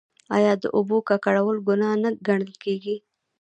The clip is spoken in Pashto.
آیا د اوبو ککړول ګناه نه ګڼل کیږي؟